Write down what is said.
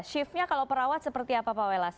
shiftnya kalau perawat seperti apa pak welas